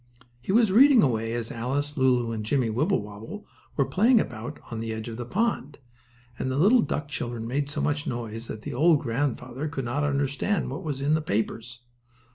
He was reading away as Alice, Lulu and Jimmie Wibblewobble were playing about on the edge of the pond, and the little duck children made so much noise that the old grandfather could not understand what was in the papers.